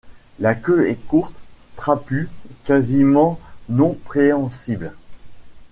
La queue est courte, trapue, quasiment non préhensile.